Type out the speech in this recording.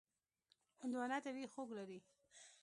هندوانه طبیعي خوږ لري.